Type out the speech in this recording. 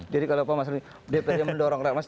jadi kalau dprd mendorong reklamasi